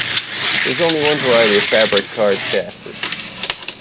There is only one variety of Fabric card chassis.